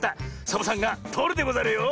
サボさんがとるでござるよ。